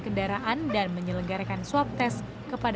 ketika mereka menemukan warga yang berhasil menyebar